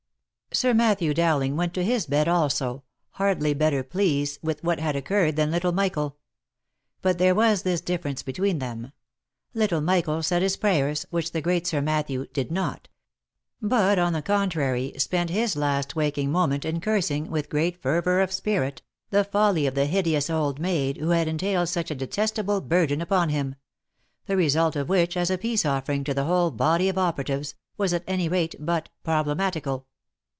Sir Matthew Dowling went to his bed also, hardly better pleased with what had occurred than little Michael. But there was this difference between them : little Michael said his prayers, which the great Sir Matthew did not ; but, on the contrary, spent his last waking moment in cursing, with great fervour of spirit, the folly of the hideous old maid, who had entailed such a detestable burden upon him — the result of which, as a peace offering to the whole body of operatives, was at any rate but problematical